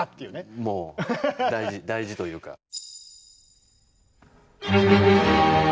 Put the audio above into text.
もう大事というか。